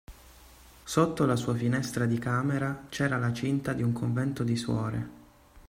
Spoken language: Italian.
Sotto la sua finestra di camera c'era la cinta di un convento di suore;